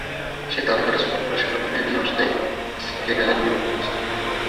সেই তালিকাটা ছোট করে সেরা তিনে নিয়ে আসতেই ছিটকে গেলেন লিওনেল মেসি।